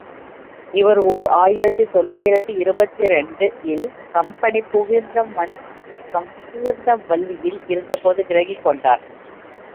இவர் ஓர் ஆயிரத்து தொள்ளாயிரத்து இருபத்திரண்டு இல் கம்பெனி பூவிருந்தவல்லியில் இருந்தபோது விலகிக்கொண்டார்.